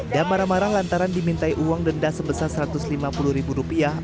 dan marah marah lantaran dimintai uang denda sebesar satu ratus lima puluh ribu rupiah